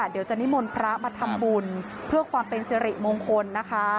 เดี๋ยวจะนิมนต์พระมาทำบุญเพื่อความเป็นสิริมงคลนะคะ